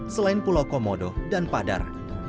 selain pulau komodo dan padar